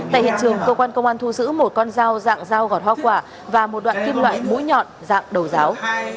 tại hiện trường cơ quan công an thu giữ một con dao dạng dao gọt hoa quả và một đoạn kim loại mũi nhọn dạng đầu giáo